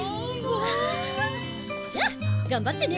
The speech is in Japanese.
わあ！じゃあ頑張ってね。